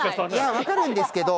わかるんですけど。